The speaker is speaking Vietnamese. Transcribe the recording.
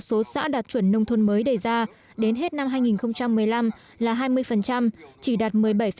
số xã đạt chuẩn nông thôn mới đề ra đến hết năm hai nghìn một mươi năm là hai mươi chỉ đạt một mươi bảy